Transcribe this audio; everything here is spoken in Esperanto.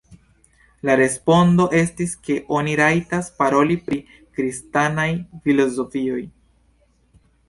La respondo estis ke oni rajtas paroli pri kristanaj filozofoj.